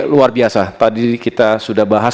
luar biasa tadi kita sudah bahas